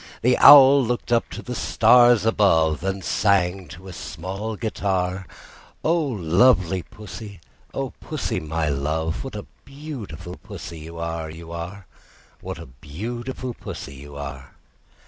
The Owl looked up to the stars above, And sang to a small guitar, "O lovely Pussy, O Pussy, my love, What a beautiful Pussy you are, You are, You are! What a beautiful Pussy you are!"